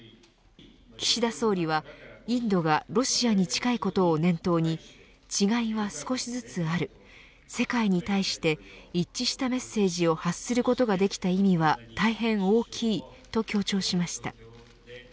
岸田総理はインドがロシアに近いことを念頭に違いは少しずつある世界に対して一致したメッセージを発することができた意味は大変大きいと強調しました。